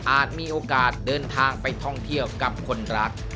มีโอกาสเดินทางไปท่องเที่ยวกับคนรัก